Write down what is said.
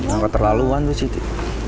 apa terlaluan tuh citi